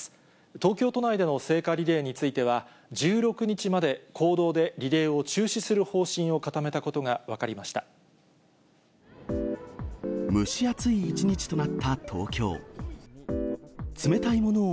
東京都内での聖火リレーについては、１６日まで公道でリレーを中止する方針を固めたことが分かりまし蒸し暑い一日となった東京。